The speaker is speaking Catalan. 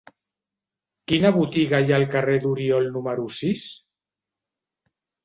Quina botiga hi ha al carrer d'Oriol número sis?